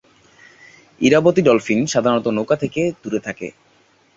Irabati dolphin সাধারণত নৌকা থেকে দূরে থাকে।